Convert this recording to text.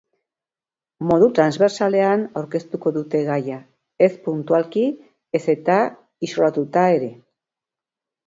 Modu transbertsalean aurkeztuko dute gaia, ez puntualki, ez eta isolatuta ere.